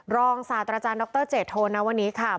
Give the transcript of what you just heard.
รองศาสตราจารย์ดรเจโทนวนิค่ะ